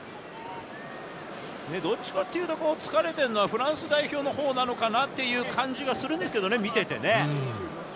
どっちかっていうと疲れているのはフランス代表なのかなっていう感じがするんですけどね、見てて。